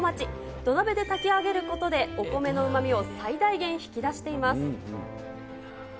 土鍋で炊き上げることで、お米のうまみを最大限引き出しています。